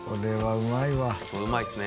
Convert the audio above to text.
うまいっすね。